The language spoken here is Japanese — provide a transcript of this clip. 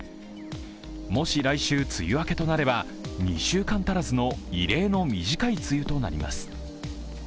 もし来週梅雨明けとなれば２週間足らずの異例の短い梅雨となります。